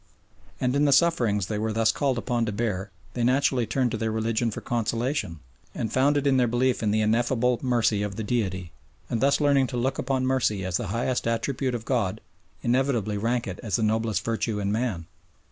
And in the sufferings they were thus called upon to bear they naturally turned to their religion for consolation, and found it in their belief in the ineffable mercy of the Deity, and thus learning to look upon mercy as the highest attribute of God inevitably rank it as the noblest virtue in man.